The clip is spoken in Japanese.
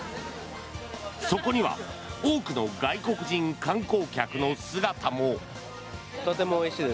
そこには多くの外国人観光客の姿も。